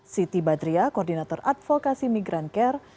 siti badria koordinator advokasi migran care